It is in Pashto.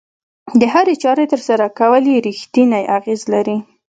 د هرې چارې ترسره کول يې رېښتینی اغېز لري.